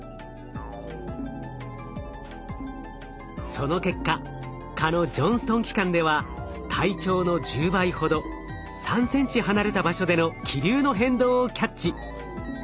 その結果蚊のジョンストン器官では体長の１０倍ほど３ｃｍ離れた場所での気流の変動をキャッチ。